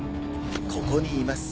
ここにいます。